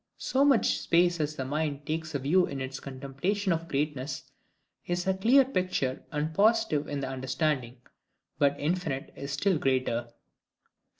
So much space as the mind takes a view of in its contemplation of greatness, is a clear picture, and positive in the understanding: but infinite is still greater.